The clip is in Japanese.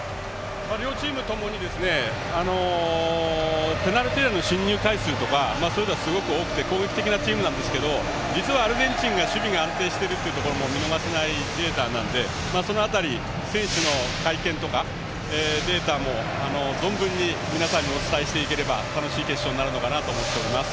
両チームともにペナルティーエリアへの進入回数とかそういうのはすごく多くて攻撃的なチームですが実はアルゼンチンは守備が安定しているというのも見逃せないデータなのでその辺り、選手の回転とかデータも存分に皆さんにお伝えしていければ楽しい決勝になるのかなと思っています。